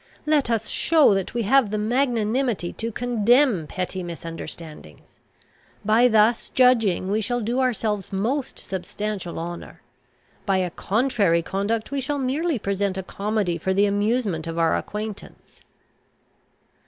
Let us show that we have the magnanimity to contemn petty misunderstandings. By thus judging we shall do ourselves most substantial honour. By a contrary conduct we shall merely present a comedy for the amusement of our acquaintance."